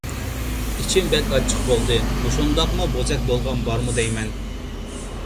ئىچىم بەك ئاچچىق بولدى. مۇشۇنداقمۇ بوزەك بولغان بارمۇ دەيمەن.